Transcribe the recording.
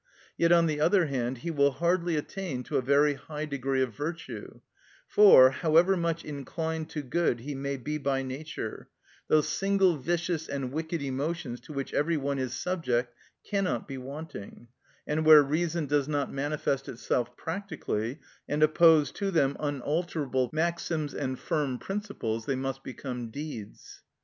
Yet, on the other hand, he will hardly attain to a very high degree of virtue, for, however much inclined to good he may be by nature, those single vicious and wicked emotions to which every one is subject cannot be wanting; and where reason does not manifest itself practically, and oppose to them unalterable maxims and firm principles, they must become deeds.